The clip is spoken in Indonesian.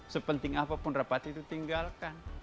sepenting apapun rapat itu tinggalkan